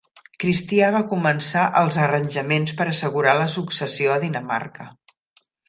Cristià va començar els arranjaments per assegurar la successió a Dinamarca.